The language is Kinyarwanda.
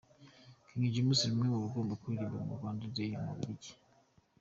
King James ni umwe mu bagomba kuririmba muri Rwanda Day mu Bubiligi.